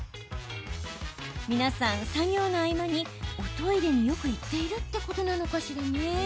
皆さん、作業の合間におトイレによく行っているってことなのかしらね。